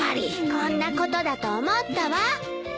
こんなことだと思ったわ。